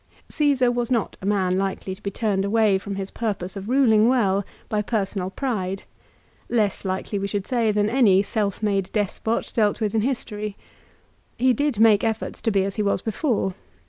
Csesar was not a man likely to be turned away from his purpose of ruling well, by personal pride, less likely we should say than any self made despot dealt with in history. He did make efforts to be as he was before.